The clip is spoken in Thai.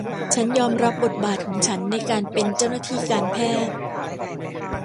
ฉันยอมรับบทบาทของฉันในการเป็นเจ้าหน้าที่การแพทย์